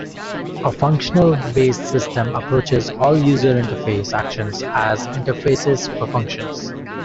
A functional based system approaches all user interface actions as interfaces for functions.